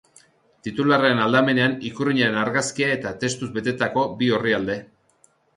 Titularraren aldamenean ikurrinaren argazkia eta testuz betetako bi orrialde.